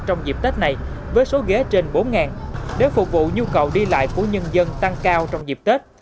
trong dịp tết này với số ghế trên bốn để phục vụ nhu cầu đi lại của nhân dân tăng cao trong dịp tết